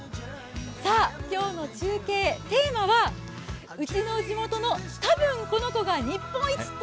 さあ、今日の中継、テーマは「ウチの地元のたぶんこの子が日本一！」